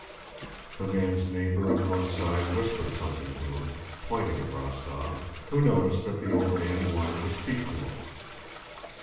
The man's neighbor on one side whispered something to him, pointing at Rostóv, who noticed that the old man wanted to speak to him.